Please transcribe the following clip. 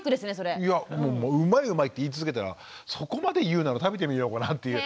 いや「うまいうまい」って言い続けてたらそこまで言うなら食べてみようかなっていう。